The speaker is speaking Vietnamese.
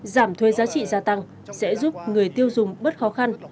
giảm thuê giá trị gia tăng sẽ giúp người tiêu dùng bớt khó khăn